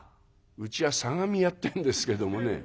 「うちは相模屋ってんですけどもね」。